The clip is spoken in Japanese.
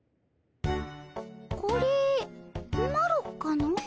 これマロかの？